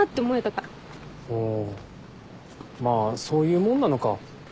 ああまあそういうもんなのか。